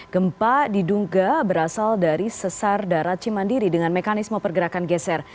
gempa diduga berasal dari sesar darat cimandiri dengan mekanisme pergerakan geser